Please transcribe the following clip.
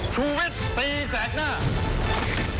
ชูวิตตีแสกหน้า